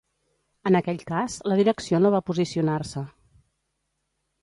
En aquell cas, la direcció no va posicionar-se.